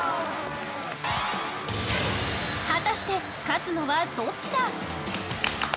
果たして、勝つのはどっちだ？